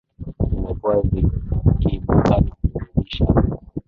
zimekuwa zikiibuka na kurudisha nyuma